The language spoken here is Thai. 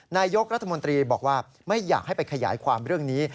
นายกรัฐมนตรีบอกว่าไม่อยากให้ไปขยายความเรื่องนี้